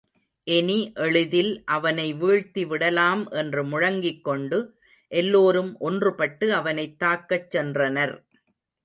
இனி எளிதில் அவனை வீழ்த்தி விடலாம் என்று முழங்கிக் கொண்டு எல்லோரும் ஒன்றுபட்டு அவனைத் தாக்கச் சென்றனர்.